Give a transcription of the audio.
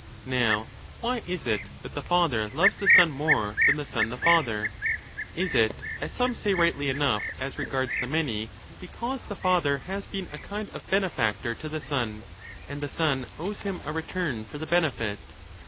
Now 20 why is it that the father loves the son more than the son the father ? Is it, as some say rightly enough as regards the many, because the father has been a kind of benefactor to the son, and the son owes him a return for the benefit